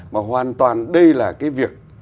mà hoàn toàn đây là cái việc